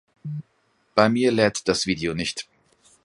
Bei mir lädt das Video nicht.